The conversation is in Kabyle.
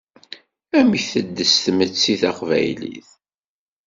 Amek teddes tmetti taqbaylit?